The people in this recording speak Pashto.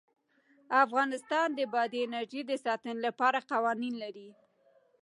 افغانستان د بادي انرژي د ساتنې لپاره قوانین لري.